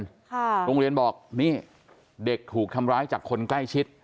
โรงเรียนบอกนี่เด็กถูกทำร้ายจากคนใกล้ชิด